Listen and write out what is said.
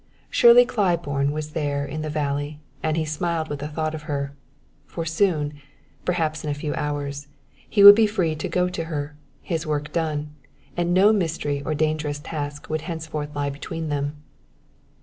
Shirley Claiborne was there in the valley and he smiled with the thought of her; for soon perhaps in a few hours he would be free to go to her, his work done; and no mystery or dangerous task would henceforth lie between them.